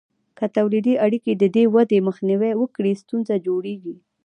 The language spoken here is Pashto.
که تولیدي اړیکې د دې ودې مخنیوی وکړي، ستونزه جوړیږي.